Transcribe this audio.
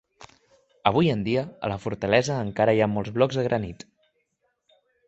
Avui en dia, a la fortalesa encara hi ha molts blocs de granit.